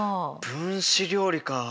分子料理か。